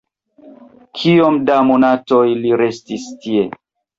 Kiom da monatoj li restis tie?